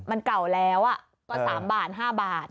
มันเก่าแล้วก็๓บาท๕บาท